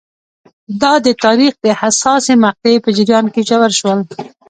دا د تاریخ د حساسې مقطعې په جریان کې ژور شول.